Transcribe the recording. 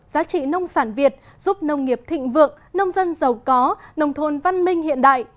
giá trị nông sản việt giúp nông nghiệp thịnh vượng nông dân giàu có nông thôn văn minh hiện đại